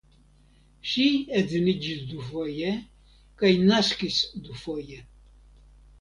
Ŝi edziniĝis dufoje kaj naskis dufoje.